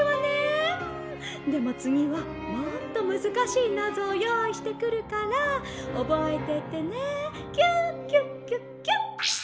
でもつぎはもっとむずかしいナゾをよういしてくるからおぼえててね。キュキュキュキュ」。